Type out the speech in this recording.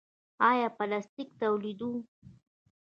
آیا پلاستیک تولیدوو؟